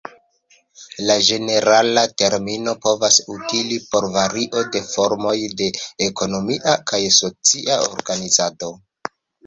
La ĝenerala termino povas utili por vario de formoj de ekonomia kaj socia organizado.